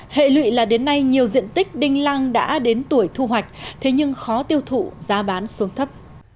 hệ lụy là đến nay nhiều diện tích đinh lăng đã đến tuổi thu hoạch thế nhưng khó tiêu thụ giá bán xuống thấp